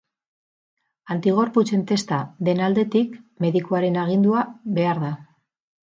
Antigorputzen testa den aldetik, medikuaren agindua behar da.